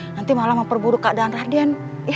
nanti malah memperburuk keadaan radian